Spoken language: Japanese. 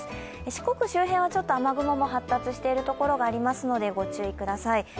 四国周辺は雨雲も発達しているところがありますので、ご注意ください。